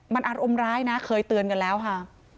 มันอารมณ์ร้ายนะเคยเตือนกันแล้วค่ะ